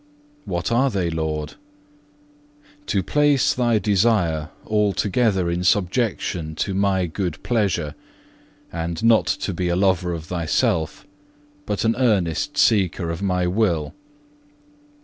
2. What are they, Lord? 3. "To place thy desire altogether in subjection to My good pleasure, and not to be a lover of thyself, but an earnest seeker of My will.